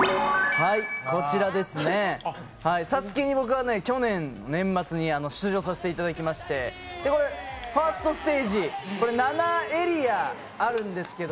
「ＳＡＳＵＫＥ」に去年年末に出場させていただきまして、これ、ファーストステージ７エリアあるんですけど